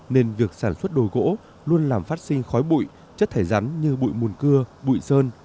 nên việc sản xuất đồi gỗ luôn làm phát sinh khói bụi chất thải rắn như bụi mùn cưa bụi sơn